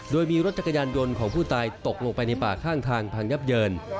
โดยมีรถจักรยานยนต์ของผู้ตายตกลงไปในป่าข้างทางพังยับเยิน